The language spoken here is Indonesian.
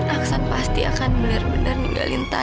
aksan pasti akan benar benar meninggalkan aku